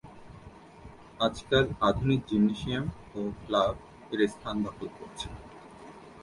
আজকাল আধুনিক জিমনেশিয়াম ও ক্লাব এর স্থান দখল করছে।